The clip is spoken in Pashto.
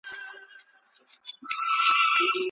دوی له ډېر پخوا پر خپلو پروژو مسلسل کار کاوه.